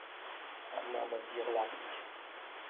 Hammamiz yig’ladik